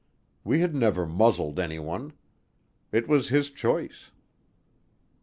We had never muzzled anyone; it was his choice.